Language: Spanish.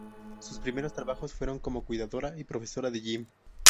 Sus primeros trabajos fueron como cuidadora y profesora de gym.